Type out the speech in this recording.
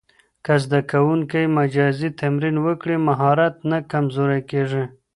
که زده کوونکی مجازي تمرین وکړي، مهارت نه کمزورې کېږي.